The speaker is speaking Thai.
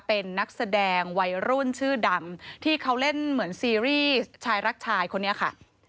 เป็นนักแสดงวัยรุ่นชื่อดังที่เขาเล่นเหมือนซีรีส์ชายรักชายคนนี้ค่ะ